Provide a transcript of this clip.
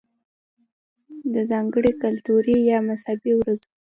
ده ځانګړې کلتوري يا مذهبي ورځو